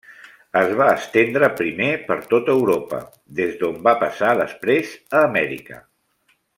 Es va estendre primer per tot Europa, des d'on va passar després a Amèrica.